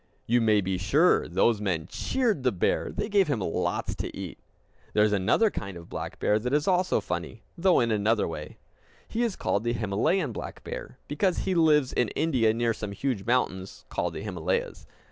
You may be sure those men cheered the bear, and gave him lots to eat. There is another kind of black bear that is also funny, though in another way. He is called the Himalayan black bear, because he lives in India near some huge mountains called the Himalayas.